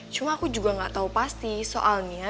cuma aku juga ga tau pasti soalnya